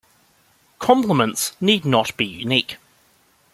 Complements need not be unique.